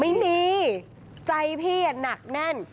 ไม่มีใจพี่หนักแน่น